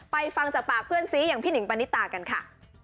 ฟังจากปากเพื่อนซีอย่างพี่หนิงปณิตากันค่ะ